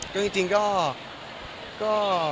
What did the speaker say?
ก็จริงก็